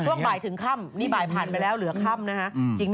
ช่วงบ่ายถึงค่ำนี่บ่ายผ่านไปแล้วเหลือค่ำนะฮะ